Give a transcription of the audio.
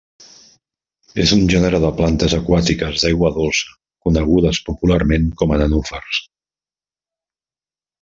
És un gènere de plantes aquàtiques d'aigua dolça conegudes popularment com a nenúfars.